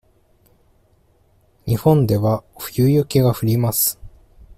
日本では冬雪が降ります。